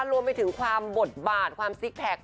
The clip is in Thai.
รวมไปถึงความบทบาทความซิกแพค